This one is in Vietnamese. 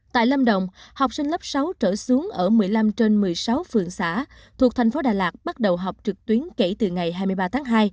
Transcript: tại lâm đồng học sinh lớp sáu trở xuống ở một mươi năm trên một mươi sáu phường xã thuộc thành phố đà lạt bắt đầu học trực tuyến kể từ ngày hai mươi ba tháng hai